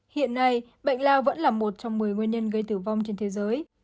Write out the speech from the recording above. hiện nay bệnh lao vẫn là một trong một mươi nguyên nhân gây tử vong trên thế giới